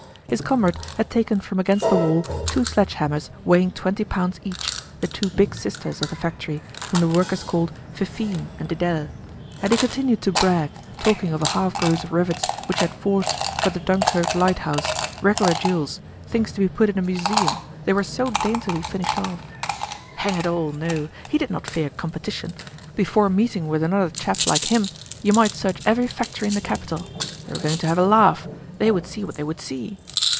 His comrade had taken from against the wall two sledge hammers weighing twenty pounds each, the two big sisters of the factory whom the workers called Fifine and Dedele. And he continued to brag, talking of a half gross of rivets which he had forged for the Dunkirk lighthouse, regular jewels, things to be put in a museum, they were so daintily finished off. Hang it all, no! he did not fear competition; before meeting with another chap like him, you might search every factory in the capital. They were going to have a laugh; they would see what they would see.